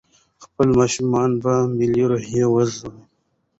خپل ماشومان په ملي روحيه وروزئ.